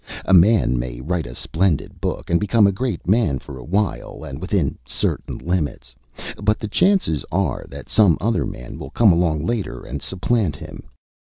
A man may write a splendid book, and become a great man for a while and within certain limits, but the chances are that some other man will come along later and supplant him.